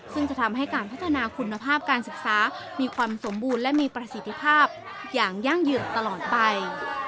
ซึ่งจะทำให้การพัฒนาคุณภาพการศึกษามีความสมบูรณ์และมีประสิทธิภาพอย่างยั่งยืนตลอดไป